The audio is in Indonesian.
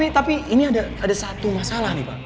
tapi ini ada satu masalah nih pak